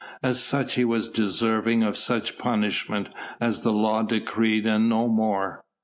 As such he was deserving of such punishment as the law decreed and no more.